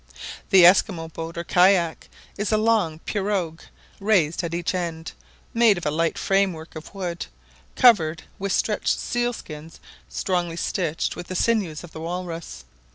The Esquimaux boat or kayak is a long pirogue raised at each end, made of a light framework of wood, covered with stretched seal skins strongly stitched with the sinews of the Walrus.